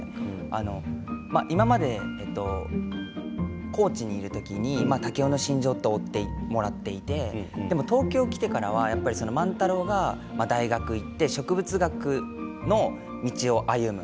あの今までえっと高知にいる時に竹雄の心情を追ってもらっていてでも東京に来てからはやっぱり万太郎が大学行って植物学の道を歩む。